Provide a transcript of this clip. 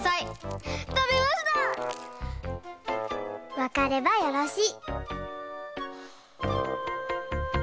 わかればよろしい。